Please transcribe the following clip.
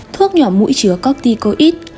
thuốc nhỏ mũi chứa copticoid